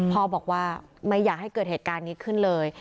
พ่อบอกว่าไม่อยากให้เกิดเหตุการณ์นี้ขึ้นเลย